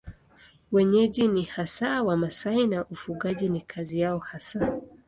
Wenyeji ni hasa Wamasai na ufugaji ni kazi yao hasa.